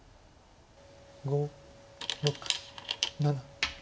５６７。